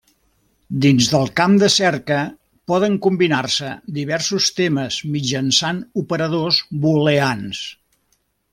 Dins del camp de cerca poden combinar-se diversos termes mitjançant operadors booleans.